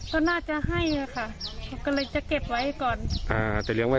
เขาน่าจะให้เลยค่ะ